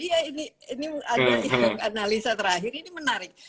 iya ini ada analisa terakhir ini menarik